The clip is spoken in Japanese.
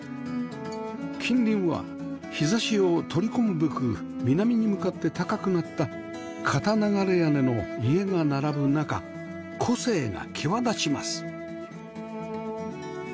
近隣は日差しを取り込むべく南に向かって高くなった片流れ屋根の家が並ぶ中個性が際立ちます